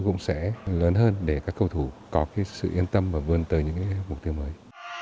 cũng sẽ lớn hơn để các cầu thủ có sự yên tâm và vươn tới những mục tiêu mới